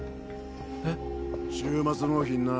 えっ？週末納品な。